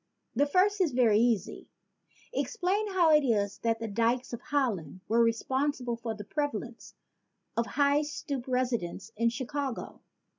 The first is very easy: Explain how it is that the dykes of Holland were responsible for the prevalence of high stoop residences in Chicago.